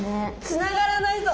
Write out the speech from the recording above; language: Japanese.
つながらないぞ！